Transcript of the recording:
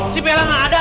si bella gak ada